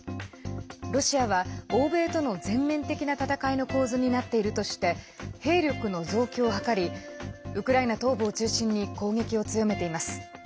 ロシアは、欧米との全面的な戦いの構図になっているとして兵力の増強を図りウクライナ東部を中心に攻撃を強めています。